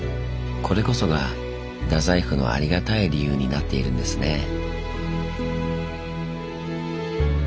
これこそが太宰府のありがたい理由になっているんですね。